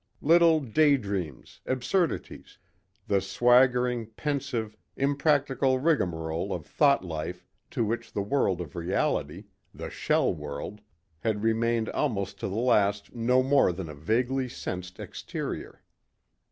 Little daydreams, absurdities, the swaggering, pensive, impractical rigmarole of thought life to which the world of reality the shell world had remained almost to the last no more than a vaguely sensed exterior.